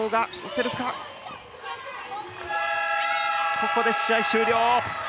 ここで試合終了。